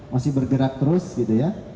masih bergerak terus gitu ya